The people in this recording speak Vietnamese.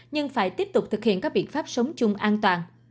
nhưng phải tiếp tục thực hiện các biện pháp sống chung an toàn